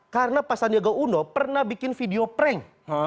karena pak sandiaga uno pernah bikin video prank